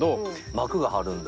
膜が張るんだ。